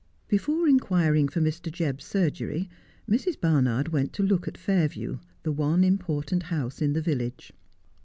Before inquiring for Mr. Jebb's surgery, Mrs. Barnard went to look at Fairview, the one important house in the village.